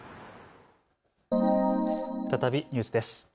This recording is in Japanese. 再びニュースです。